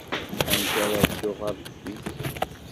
Amek ara dduɣ ɣer teftist?